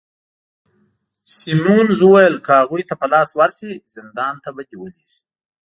سیمونز وویل: که هغوی ته په لاس ورشې، زندان ته به دي ولیږي.